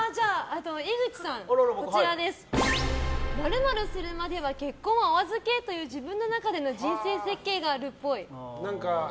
井口さん、○○するまでは結婚はお預けという自分の中での人生設計があるっぽい。